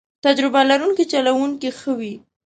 تجربه لرونکی چلوونکی ښه وي.